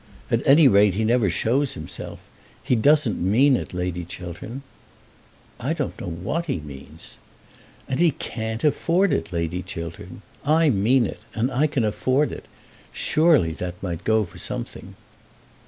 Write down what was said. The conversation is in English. At any rate he never shows himself. He doesn't mean it, Lady Chiltern." "I don't know what he means." "And he can't afford it, Lady Chiltern. I mean it, and I can afford it. Surely that might go for something."